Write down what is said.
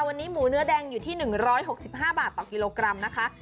วันนี้หมูเนื้อแดงอยู่ที่๑๖๕บาทต่อกิโลกรัมนะคะ